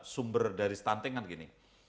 sumber dari stunting kan gini